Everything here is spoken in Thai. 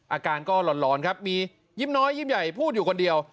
อาการก็หลอนครับมียิ้มน้อยยิ้มใหญ่พูดอยู่คนเดียว